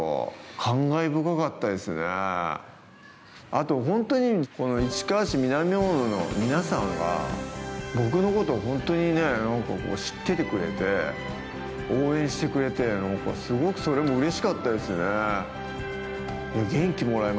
あと、ほんとに、この市川市南大野の皆さんは、僕のことをほんとにね、なんかこう、知っててくれて、応援してくれて、なんか、すごくそれもうれしかったですね。